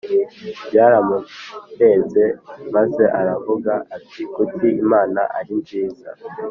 Byaramurenze maze aravuga ati kuki Imana ari nziza